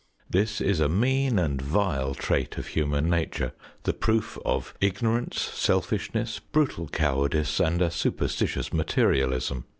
This is a mean and vile trait of human nature, the proof of ignorance, selfishness, brutal cowardice, and a superstitious materialism.